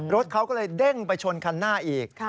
รถเขาก็เลยเด้งไปชนคันหน้าอีก